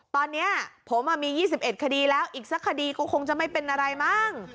ตอนนี้ผมมี๒๑คดีแล้วอีกสักคดีก็คงจะไม่เป็นอะไรมั้ง